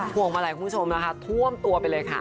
พวงมาลัยคุณผู้ชมนะคะท่วมตัวไปเลยค่ะ